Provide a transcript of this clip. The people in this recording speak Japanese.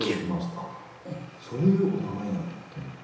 あっそういうお名前なんだと思って。